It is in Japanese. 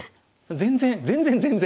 全然全然全然。